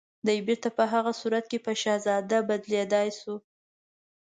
دی بيرته په هغه صورت کې په شهزاده بدليدای شو